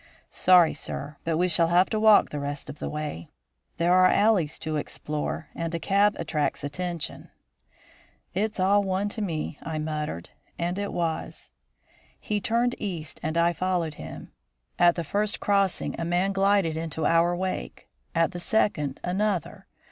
"Sorry, sir, but we shall have to walk the rest of the way. There are alleys to explore, and a cab attracts attention." "It's all one to me," I muttered; and it was. He turned east and I followed him. At the first crossing, a man glided into our wake; at the second, another.